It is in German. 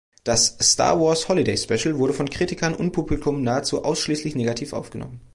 Das "Star Wars Holiday Special" wurde von Kritikern und Publikum nahezu ausschließlich negativ aufgenommen.